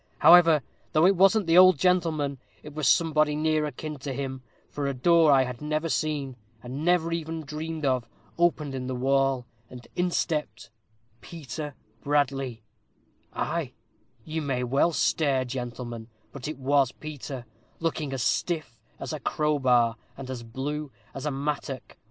However, though it wasn't the ould gentleman, it was somebody near akin to him; for a door I had never seen, and never even dreamed of, opened in the wall, and in stepped Peter Bradley ay, you may well stare, gentlemen; but it was Peter, looking as stiff as a crowbar, and as blue as a mattock.